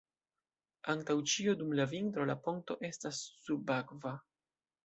Antaŭ ĉio dum la vintro la ponto estas subakva.